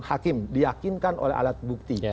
hakim diyakinkan oleh alat bukti